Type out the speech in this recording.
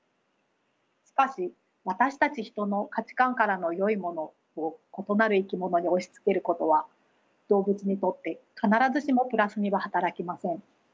しかし私たち人の価値観からのよいものを異なる生き物に押しつけることは動物にとって必ずしもプラスには働きません。